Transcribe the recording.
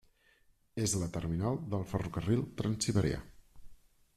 És la terminal del Ferrocarril Transsiberià.